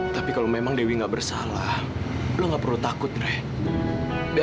sampai jumpa di video selanjutnya